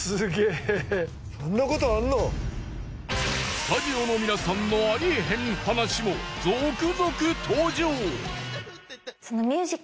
スタジオの皆さんのありえへん話も続々登場！